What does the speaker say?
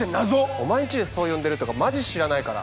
お前んちでそう呼んでるとかマジ知らないから。